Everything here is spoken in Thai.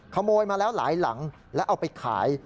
ขโมยมาแล้วหลายหลังแล้วเอาไปขาย